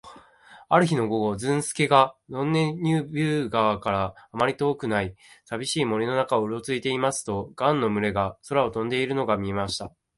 ある日の午後、ズルスケがロンネビュー川からあまり遠くない、さびしい森の中をうろついていますと、ガンの群れが空を飛んでいるのが見えました。